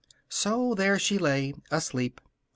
So there she lay, asleep.